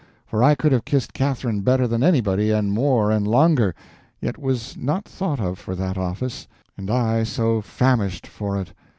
for I could have kissed Catherine better than anybody, and more and longer; yet was not thought of for that office, and I so famished for it.